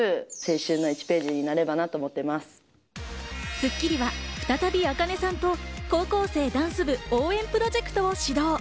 『スッキリ』は再びａｋａｎｅさんと高校生ダンス部応援プロジェクトを始動。